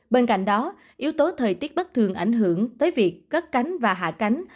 bên cạnh đó yếu tố thời tiết bất thường ảnh hưởng tới việc cất cánh và hạ cánh